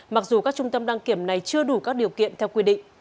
mặc dù các trung tâm đăng kiểm này chưa đủ các điều kiện theo quy định